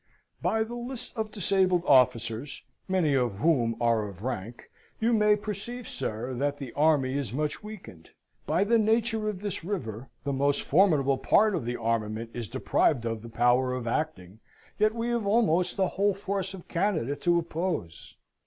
"By the list of disabled officers (many of whom are of rank) you may perceive, sir, that the army is much weakened. By the nature of this river the most formidable part of the armament is deprived of the power of acting, yet we have almost the whole force of Canada to oppose.